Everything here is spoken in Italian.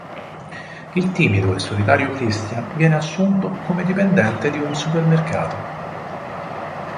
Il timido e solitario Christian viene viene assunto come dipendente di un supermercato.